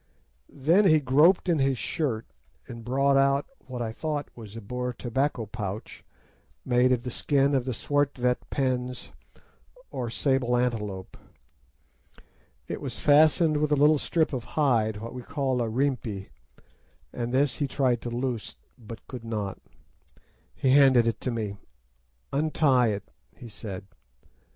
"Then he groped in his shirt and brought out what I thought was a Boer tobacco pouch made of the skin of the Swart vet pens or sable antelope. It was fastened with a little strip of hide, what we call a rimpi, and this he tried to loose, but could not. He handed it to me. 'Untie it,' he said.